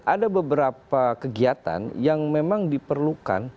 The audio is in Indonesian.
ada beberapa kegiatan yang memang diperlukan